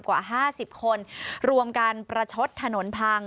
กว่า๕๐คนรวมกันประชดถนนพัง